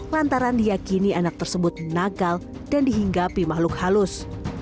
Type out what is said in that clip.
lantaran diakini anak tersebut nakal dan dihinggapi makhluk halus